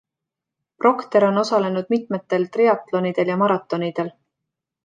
Procter on osalenud mitmetel triatlonidel ja maratonidel.